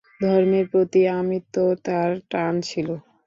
ধর্মের প্রতি আমৃত্যু তার টান ছিল।